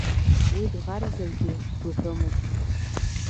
Уи дӷарзаргьы дгәыҳәымызт.